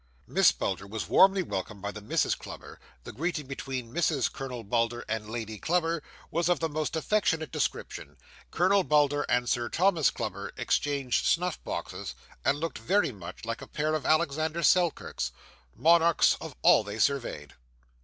Miss Bulder was warmly welcomed by the Misses Clubber; the greeting between Mrs. Colonel Bulder and Lady Clubber was of the most affectionate description; Colonel Bulder and Sir Thomas Clubber exchanged snuff boxes, and looked very much like a pair of Alexander Selkirks 'Monarchs of all they surveyed.